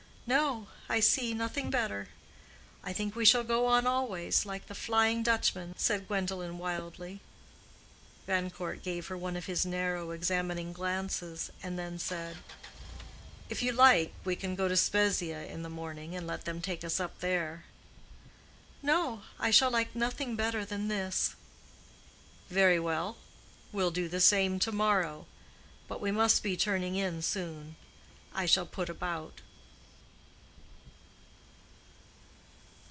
"No—I see nothing better. I think we shall go on always, like the Flying Dutchman," said Gwendolen wildly. Grandcourt gave her one of his narrow examining glances, and then said, "If you like, we can go to Spezia in the morning, and let them take us up there." "No; I shall like nothing better than this." "Very well: we'll do the same to morrow. But we must be turning in soon. I shall put about."